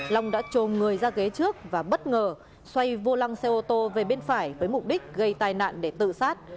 long đã trồm người ra ghế trước và bất ngờ xoay vô lăng xe ô tô về bên phải với mục đích gây tai nạn để tự sát